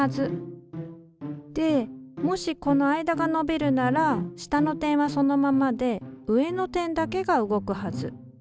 でもしこの間が伸びるなら下の点はそのままで上の点だけが動くはず。